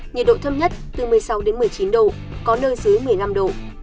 nhiệt độ thấp nhất từ một mươi sáu đến một mươi chín độ có nơi dưới một mươi năm độ